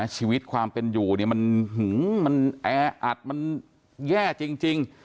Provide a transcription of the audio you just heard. ชีวิตความเป็นอยู่มันหึงแออัดแย่จริง